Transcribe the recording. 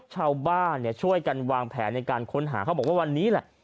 ชาวบ้านช่วยกันวางแผนในการค้นหาเขาบอกว่าวันนี้แหละ